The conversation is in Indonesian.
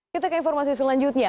kita ke informasi selanjutnya